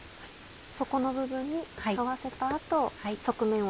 底の部分に沿わせた後側面を。